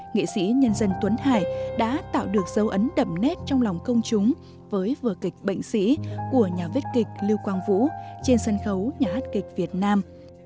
nghệ sĩ nhân dân tuấn hải đã tạo được dấu ấn đậm nét trong lòng công chúng với vừa kịch bệnh sĩ của nhà viết kịch lưu quang vũ trên sân khấu nhà hát kịch việt nam